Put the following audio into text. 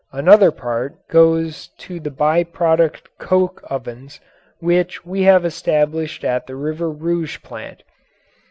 Another part goes to the by product coke ovens which we have established at the River Rouge plant.